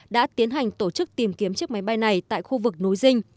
đã tiến hành tổ chức tìm kiếm chiếc máy bay này tại khu vực núi dinh